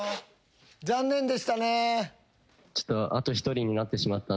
・残念でしたね。